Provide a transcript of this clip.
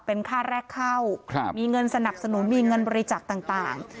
เป็นค่าแรกเข้ามีเงินสนับสนุนมีเงินบริจาคต่าง